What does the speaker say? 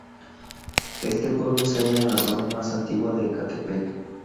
Este pueblo se halla en la zona más antigua de Ecatepec.